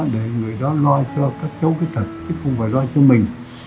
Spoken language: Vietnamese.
để người đó lo cho các cháu cái thật chứ không phải lo cho mình